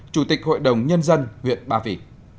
chủ tịch hội đồng nhân dân huyện ba vị